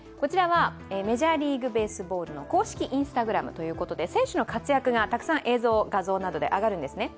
メジャーリーグベースボールの公式Ｉｎｓｔａｇｒａｍということで選手の活躍がたくさん映像、画像などで上がるんですね。